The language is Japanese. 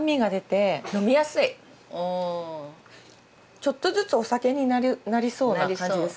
ちょっとずつお酒になりそうな感じです。